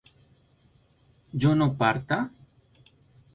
¿yo no parta?